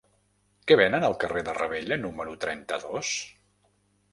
Què venen al carrer de Ravella número trenta-dos?